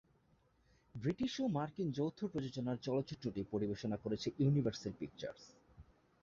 British ও মার্কিন যৌথ প্রযোজনার চলচ্চিত্রটি পরিবেশনা করেছে ইউনিভার্সাল পিকচার্স।